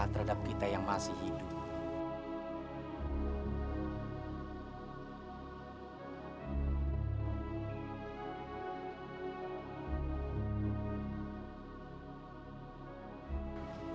terhadap kita yang masih hidup